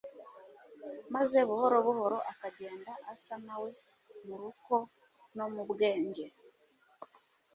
maze buhoro buhoro akagenda asa na we mu ruko no mu bwenge.